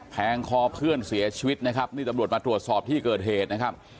งคอเพื่อนเสียชีวิตนะครับนี่ตำรวจมาตรวจสอบที่เกิดเหตุนะครับ